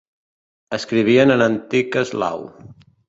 Escrivien en antic eslau.